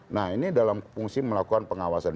nah ini dalam fungsi melakukan pengawasan